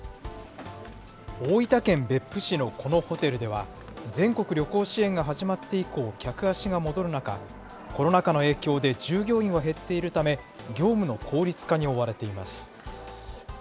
大分県別府市のこのホテルでは、全国旅行支援が始まって以降、客足が戻る中、コロナ禍の影響で従業員は減っているため、業務の効率化に追われています。